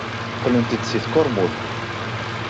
Qqlent-d seg tkurmut.